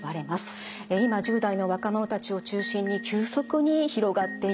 今１０代の若者たちを中心に急速に広がっています。